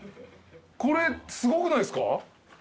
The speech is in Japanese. これすごくないですか？